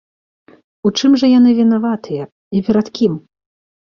У чым жа яны вінаватыя і перад кім?